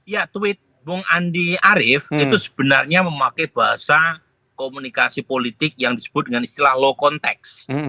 ya tweet bung andi arief itu sebenarnya memakai bahasa komunikasi politik yang disebut dengan istilah low context